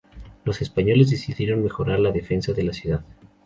Los españoles decidieron mejorar la defensa de la ciudad.